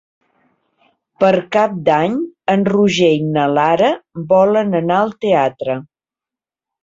Per Cap d'Any en Roger i na Lara volen anar al teatre.